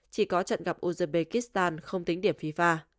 chỉ có trận gặp uzbekistan không tính điểm fifa